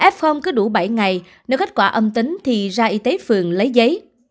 f cứ đủ bảy ngày nếu kết quả âm tính thì ra y tế phường lấy giấy